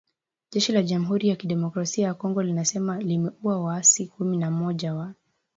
Jeshi la jamhuri ya kidemokrasia ya Kongo linasema limeua waasi kumi na moja wa